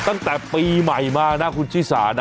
ตั้งแต่ปีใหม่มานะคุณชิสานะ